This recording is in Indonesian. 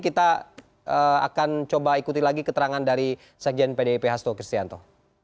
kita akan coba ikuti lagi keterangan dari sekjen pdip hasto kristianto